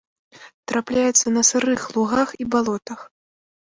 Трапляецца на сырых лугах і балотах.